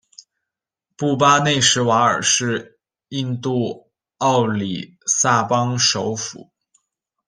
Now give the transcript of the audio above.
布巴内什瓦尔是印度奥里萨邦首府。